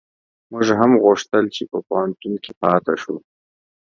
موږ هم غوښتل چي په پوهنتون کي پاته شو